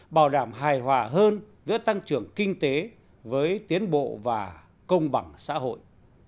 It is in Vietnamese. bảo đảm hài hòa hơn giữa tăng trưởng kinh tế với tiến bộ và công bằng xã hội